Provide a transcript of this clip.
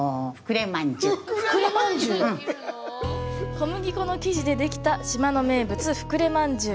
小麦粉の生地でできた島の名物、ふくれまんじゅう。